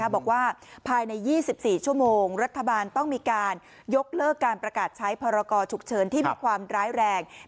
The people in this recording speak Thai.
บอกว่าภายใน๒๔ชั่วโมงรัฐบาลต้องมีการยกเลิกการประกาศใช้พรกรฉุกเฉินที่มีความร้ายแรง